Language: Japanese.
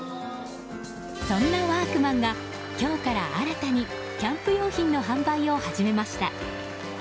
そんなワークマンが今日から新たにキャンプ用品の販売を始めました。